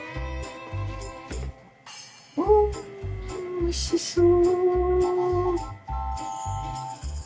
おおおいしそう。